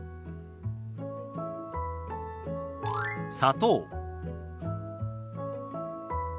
「砂糖」。